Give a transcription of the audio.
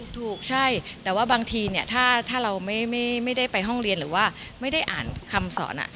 ถูกใช่แต่ว่าบางทีเนี่ยถ้าเราไม่ได้ไปห้องเรียนหรือว่าไม่ได้อ่านคำสอน